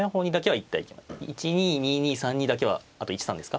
１二２二３二だけはあと１三ですか。